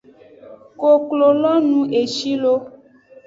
Koklo lo nu eshi lo.